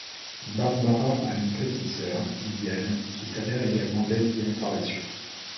Barbara a une petite sœur, Diane, qui s'avère également lesbienne par la suite.